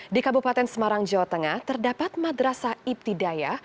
di kabupaten semarang jawa tengah terdapat madrasah ibtidaya